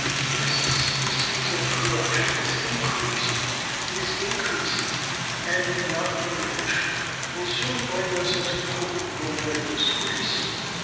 This species of corruption has increased, is increasing, and if not diminished will soon bring us into total ruin and disgrace.